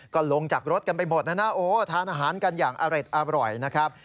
ก็รางจากรถกันไปหมดนะทานอาหารกันอย่างอร่อยนะครับ